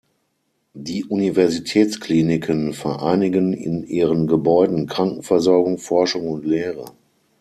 Die Universitätskliniken vereinigen in ihren Gebäuden Krankenversorgung, Forschung und Lehre.